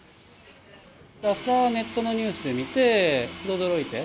ネットのニュースで見て驚いて。